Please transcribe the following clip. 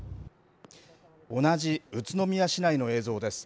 同じ宇都宮市内の映像です。